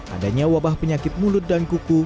adanya wabah penyakit mulut dan kuku